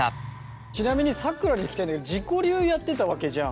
ちなみにさくらに聞きたいんだけど自己流やってたわけじゃん。